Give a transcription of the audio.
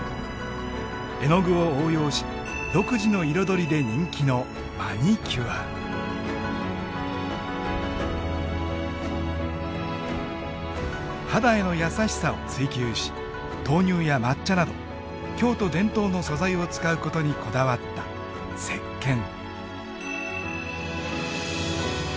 絵の具を応用し独自の彩りで人気の肌への優しさを追求し豆乳や抹茶など京都伝統の素材を使うことにこだわったせっけん。